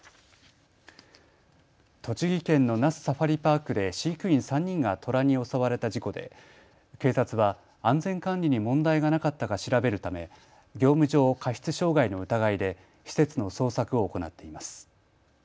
栃木県の那須サファリパークで飼育員３人がトラに襲われた事故で警察は安全管理に問題がなかったか調べるため業務上過失傷害の疑いで施設の捜索を行っています。